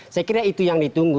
saya kira itu yang ditunggu